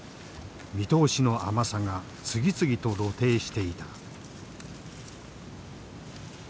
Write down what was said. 見通しの甘さが次々と露呈していた。